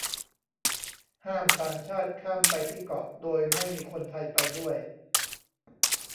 ห้ามต่างชาติข้ามไปที่เกาะโดยไม่มีคนไทยไปด้วย